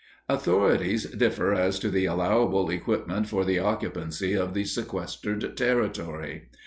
Authorities differ as to the allowable equipment for the occupancy of the sequestered territory.